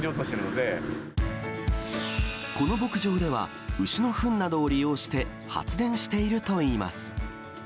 この牧場では、牛のふんなどを利用して発電しているといいます。